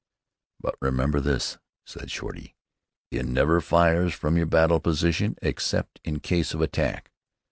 "But remember this," said Shorty, "you never fires from your battle position except in case of attack.